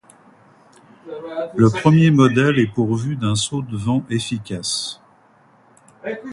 Le premier modèle est pourvu d'un saute-vent efficace.